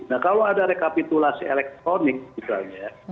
nah kalau ada rekapitulasi elektronik misalnya ya